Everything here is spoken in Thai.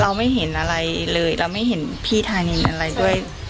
เราไม่เห็นอะไรเลยเราไม่เห็นพี่ธานินอะไรด้วย